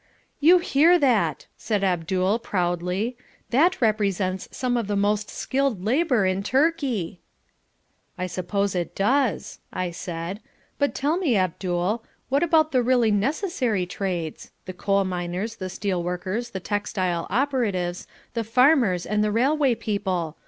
"You hear that," said Abdul proudly. "That represents some of the most skilled labour in Turkey." "I suppose it does," I said, "but tell me Abdul what about the really necessary trades, the coal miners, the steel workers, the textile operatives, the farmers, and the railway people.